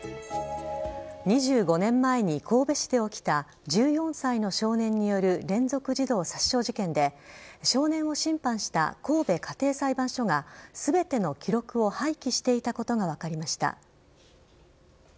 ２５年前に神戸市で起きた１４歳の少年による連続児童殺傷事件で少年を審判した神戸家庭裁判所が全ての記録を廃棄していたことが分かりました。